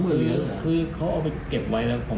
ประมาณ๑๒๐๐๐เขาเอาไปเก็บไว้แล้ว